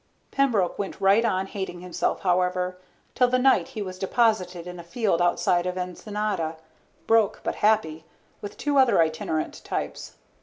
Pembroke went right on hating himself, however, till the night he was deposited in a field outside of Ensenada, broke but happy, with two other itinerant types.